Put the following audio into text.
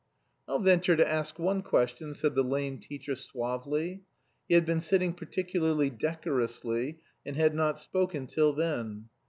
"I'll venture to ask one question," said the lame teacher suavely. He had been sitting particularly decorously and had not spoken till then.